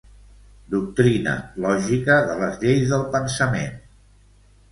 Doctrina lògica de les lleis del pensament.